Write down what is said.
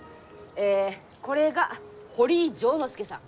えこれが堀井丈之助さん。